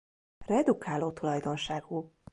Redukáló tulajdonságú.